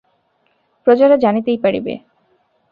প্রজারা জানিতেই পারিবে।